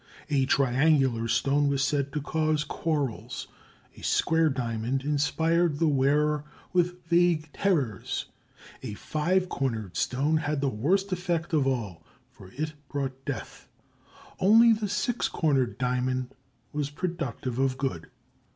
A triangular stone was said to cause quarrels, a square diamond inspired the wearer with vague terrors; a five cornered stone had the worst effect of all, for it brought death; only the six cornered diamond was productive of good.